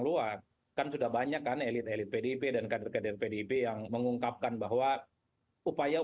luar kan sudah banyak kan elit elit pdip dan kader kader pdip yang mengungkapkan bahwa upaya